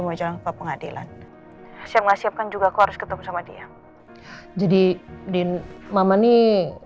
mau jalan ke pengadilan siap siapkan juga aku harus ketemu sama dia jadi din mama nih